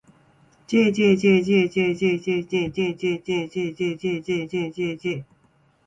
jjjjjjjjjjjjjjjjj